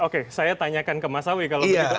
oke saya tanyakan ke mas awi kalau begitu